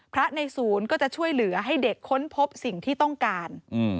ในศูนย์ก็จะช่วยเหลือให้เด็กค้นพบสิ่งที่ต้องการ